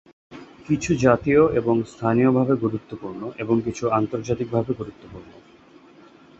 কিছু জাতীয় এবং স্থানীয়ভাবে গুরুত্বপূর্ণ এবং কিছু আন্তর্জাতিকভাবে গুরুত্বপূর্ণ।